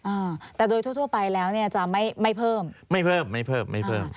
อ่าแต่โดยทั่วทั่วไปแล้วเนี่ยจะไม่ไม่เพิ่มไม่เพิ่มไม่เพิ่มไม่เพิ่ม